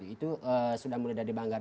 itu sudah mulai dari banggar